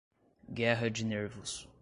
Guerra de Nervos